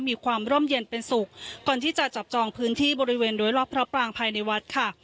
ความร่มเย็นเป็นสุขก่อนที่จะจับจองพื้นที่บริเวณโดยรอบพระปรางภายในวัดค่ะ